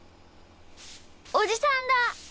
おじさんだ。